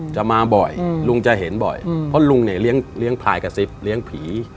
จะมาบ่อยลุงจะเห็นบ่อยเพราะลุงเนี่ยเลี้ยงพลายกระซิบเลี้ยงผี